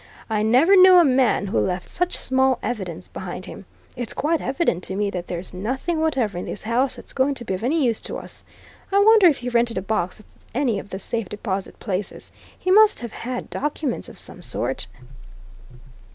"I never knew a man who left such small evidence behind him. It's quite evident to me that there's nothing whatever in this house that's going to be of any use to us. I wonder if he rented a box at any of the safe deposit places? He must have had documents of some sort."